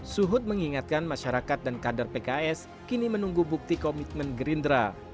suhut mengingatkan masyarakat dan kader pks kini menunggu bukti komitmen gerindra